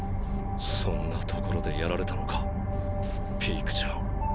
そんなところでやられたのかピークちゃん。